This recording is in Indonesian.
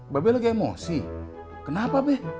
bapak lagi emosi kenapa beb